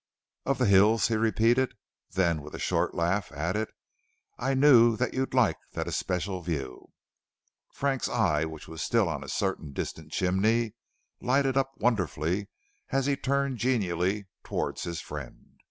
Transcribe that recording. "Of the hills," he repeated. Then with a short laugh, added, "I knew that you liked that especial view." Frank's eye, which was still on a certain distant chimney, lighted up wonderfully as he turned genially towards his friend.